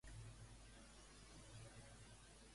En sentir això, què va demanar es bon Jesús?